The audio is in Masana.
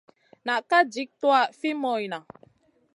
Na ka jik tuwaʼa fi moyna.